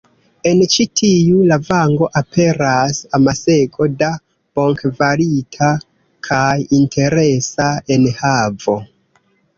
En ĉi tiu lavango aperas amasego da bonkvalita kaj interesa enhavo.